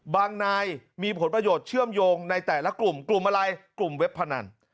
นายมีผลประโยชน์เชื่อมโยงในแต่ละกลุ่มกลุ่มอะไรกลุ่มเว็บพนัน